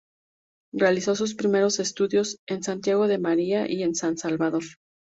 Realizó sus primeros estudios en Santiago de María y en San Salvador.